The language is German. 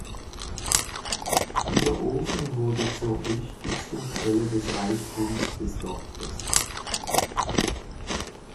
Dieser Ofen wurde zur wichtigsten Quelle des Reichtums des Dorfes.